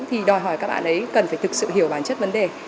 thì đòi hỏi các bạn ấy cần phải thực sự hiểu bản chất vấn đề